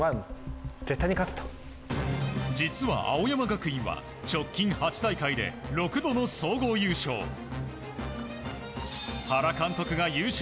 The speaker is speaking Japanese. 実は、青山学院は直近８大会で６度の総合優勝。